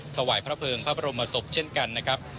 ถวายพระเภิงพระบรมศพเช่นกันนะครับ